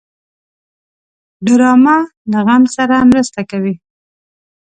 ډرامه له غم سره مرسته کوي